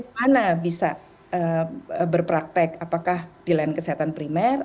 bagaimana bisa berpraktek apakah di layanan kesehatan primer